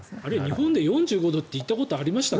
日本で４５度っていったことありましたっけ？